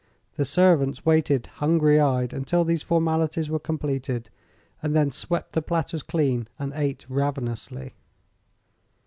The servants waited hungry eyed until these formalities were completed, and then swept the platters clean and ate ravenously.